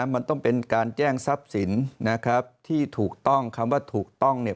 มันต้องเป็นการแจ้งทรัพย์สินนะครับที่ถูกต้องคำว่าถูกต้องเนี่ย